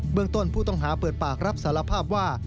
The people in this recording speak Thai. เมืองต้นผู้ต้องหาเปิดปากรับสารภาพว่า